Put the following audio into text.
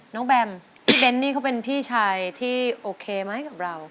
น้องแบมพี่เบ้นเป็นพี่ชัยที่โอเคไหมกับเรา